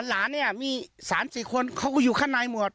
หลานมี๓๔คนเขาอยู่ข้างในหมด